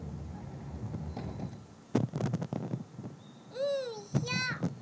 うんしょ。